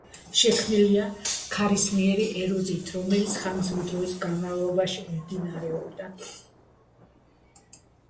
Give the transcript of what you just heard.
შექმნილია ქარისმიერი ეროზიით, რომელიც ხანგრძლივი დროის განმავლობაში მიმდინარეობდა.